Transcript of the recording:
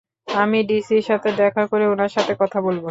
আমি ডিসির সাথে দেখা করে উনার সাথে কথা বলবো।